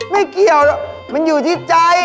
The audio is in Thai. ไม่เกี่ยวหรอกมันอยู่ที่ใจ